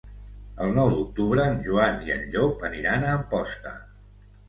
El nou d'octubre en Joan i en Llop aniran a Amposta.